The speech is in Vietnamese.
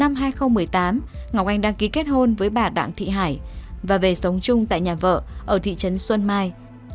sau khi người vợ qua đời năm hai nghìn một mươi sáu thì đầu năm hai nghìn một mươi tám ngọc anh đăng ký kết hôn với bà đặng thị hải và về sống chung tại nhà vợ ở thị trấn xuân mai